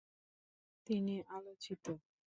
তিনি আলোচিত।